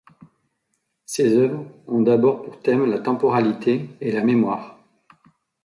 Ses œuvres ont d'abord pour thème la temporalité et la mémoire.